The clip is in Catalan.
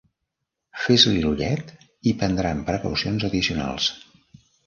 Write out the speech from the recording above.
Fes-li l'ullet, i prendran precaucions addicionals.